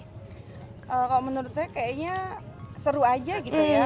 kalau menurut saya kayaknya seru aja gitu ya